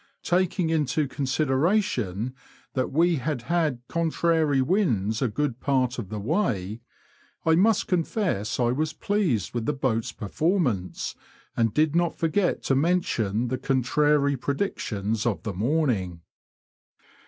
Taking into consideration that we had had contrary winds a good part of the way, I must confess I was pleased with the boat's performance, and did not forget to mention the contrary predictions of the morning.